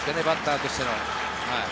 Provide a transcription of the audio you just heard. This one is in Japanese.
バッターとしての。